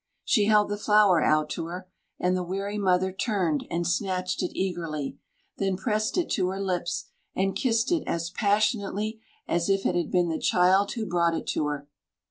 She held the flower out to her, and the weary mother turned and snatched it eagerly, then pressed it to her lips, and kissed it as passionately as if it had been the child who brought it to her.